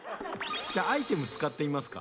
じゃあアイテム使ってみますか。